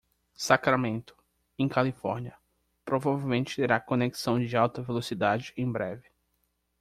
Sacramento, em Calafornia, provavelmente terá conexão de alta velocidade em breve.